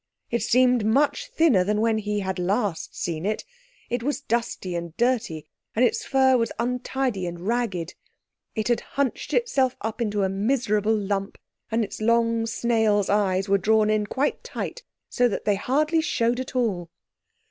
It seemed much thinner than when he had last seen it. It was dusty and dirty, and its fur was untidy and ragged. It had hunched itself up into a miserable lump, and its long snail's eyes were drawn in quite tight so that they hardly showed at all.